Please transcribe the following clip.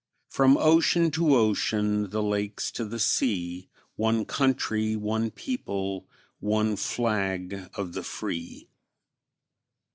From ocean to ocean the lakes to the sea One country, one people, one flag of the free!